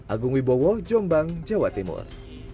agung wibowo jombang jawa timur